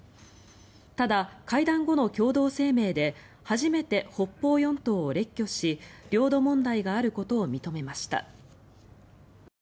ただ、会談後の共同声明で初めて北方四島を列挙し領土問題があることを認めました。